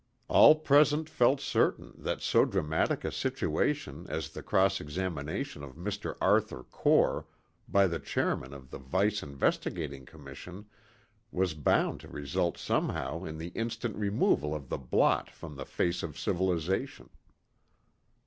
All present felt certain that so dramatic a situation as the cross examination of Mr. Arthur Core by the chairman of the Vice Investigating Commission was bound to result somehow in the instant removal of the blot from the face of civilization.